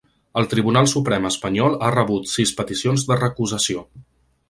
El Tribunal Suprem espanyol ha rebut sis peticions de recusació.